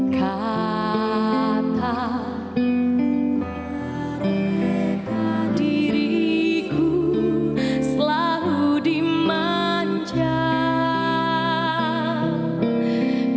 kata mereka diriku selalu dimanjakan